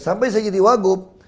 sampai saya jadi wagub